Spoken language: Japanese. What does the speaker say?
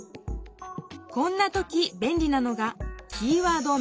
こんな時べんりなのが「キーワード・メモ」。